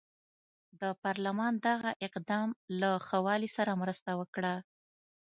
د پارلمان دغه اقدام له ښه والي سره مرسته وکړه.